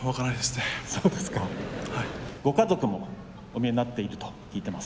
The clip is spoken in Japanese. ご家族もお見えになっていると聞いてます。